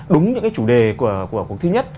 đúng những cái chủ đề của cuộc thi nhất